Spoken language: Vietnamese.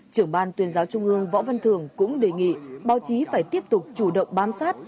trưởng ban tuyên giáo trung ương võ văn thường cũng đề nghị báo chí phải tiếp tục chủ động bám sát